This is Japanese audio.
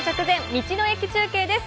道の駅中継」です。